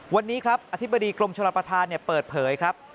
วันนี้ครับอธิบดีกรมชลประธานเปิดเผยครับ